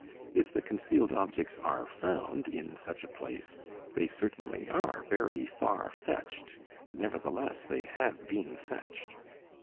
If the concealed objects are found in such a place, they certainly are very far fetched, but nevertheless they have been "fetched."